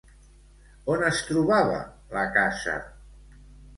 On es trobava la casa?